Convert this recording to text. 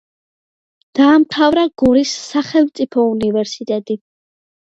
დაამთავრა გორის სახელმწიფო უნივერსიტეტი.